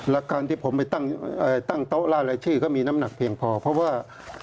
แล้วการที่ผมไปตั้งโต๊ะล่ารายชื่อก็มีน้ำหนักเพียงพอเพราะว่า